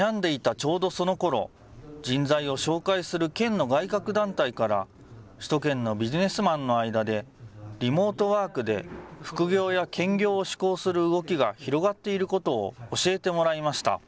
ちょうどそのころ、人材を紹介する県の外郭団体から、首都圏のビジネスマンの間で、リモートワークで副業や兼業を志向する動きが広がっていることを教えてもらいました。